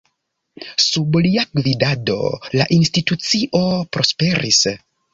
Sub lia gvidado la institucio prosperis.